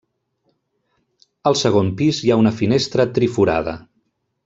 Al segon pis hi ha una finestra triforada.